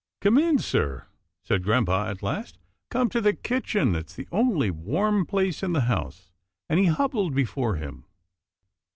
" Come in, sir," said grampa at last, " come to the kitchen. It's the only warm place in the house," and he hobbled before him.